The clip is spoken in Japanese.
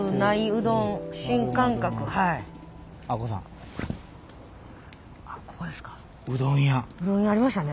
うどん屋ありましたね。